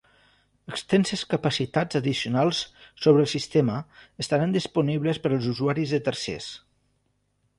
Extenses capacitats addicionals sobre el sistema estaran disponible per als usuaris de tercers.